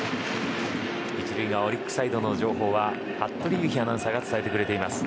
１塁側オリックスサイドの情報は服部優陽アナウンサーが伝えてくれています。